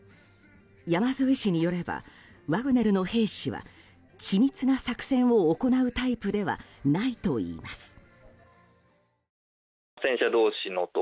山添氏によればワグネルの兵士は緻密な作戦を行うタイプではないといいます。